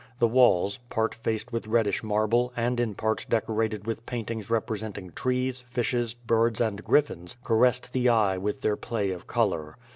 The walls, part faced with reddish marble, and in part deco rated with paintings representing trees, fishes, birds and griffins, caressed the eye with their play of color.